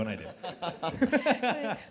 ハハハハ。